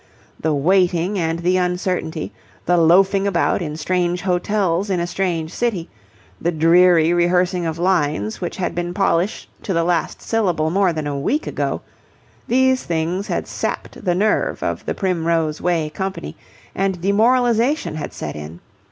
The waiting and the uncertainty, the loafing about in strange hotels in a strange city, the dreary rehearsing of lines which had been polished to the last syllable more than a week ago these things had sapped the nerve of the Primrose Way company and demoralization had set in.